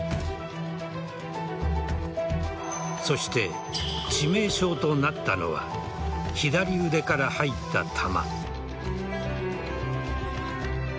そして致命傷となったのは左腕から入った弾。